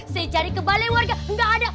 saya cari ke balai warga nggak ada